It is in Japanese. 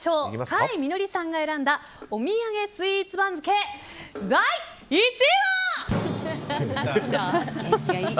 甲斐みのりさんが選んだお土産スイーツ番付第１位は。